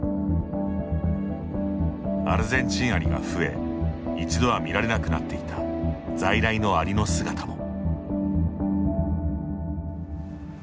アルゼンチンアリが増え一度は見られなくなっていた在来のアリの姿も。